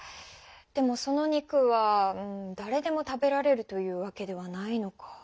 でもその肉はだれでも食べられるというわけではないのか。